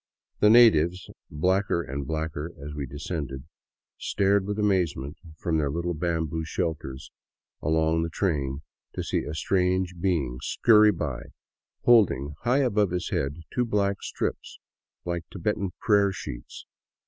The nativies, blacker and blacker as we descended, stared with amazement from their little bamboo shelters along the train to see a strange being scurry by, hold ing high above his head two black strips, like Tibetan prayer sheets.